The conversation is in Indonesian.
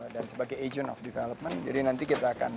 dan sebagai agent of development jadi nanti kita akan